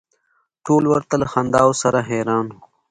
ټول ورته له خنداوو سره حیران و.